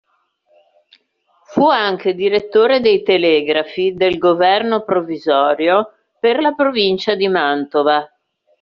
Fu anche direttore dei Telegrafi del governo provvisorio per la provincia di Mantova.